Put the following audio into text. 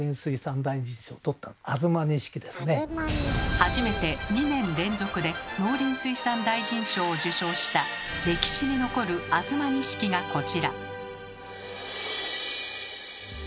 初めて２年連続で農林水産大臣賞を受賞した歴史に残る「東錦」がこちら。